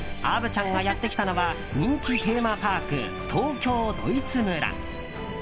虻ちゃんがやってきたのは人気テーマパーク、東京ドイツ村。